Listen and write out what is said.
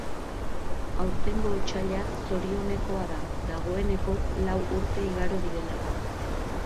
Aurtengo otsaila zorionekoa da, dagoeneko lau urte igaro direlako.